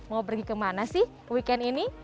mau pergi kemana sih weekend ini